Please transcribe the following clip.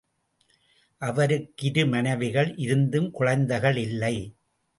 அவருக்கு இரு மனைவிகள் இருந்தும் குழந்தைகள் இல்லை.